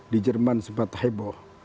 di jerman sempat heboh